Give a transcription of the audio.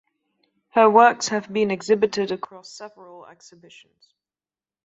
Her works have been exhibited across several exhibitions.